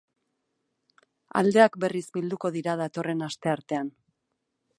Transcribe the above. Aldeak berriz bilduko dira datorren asteartean.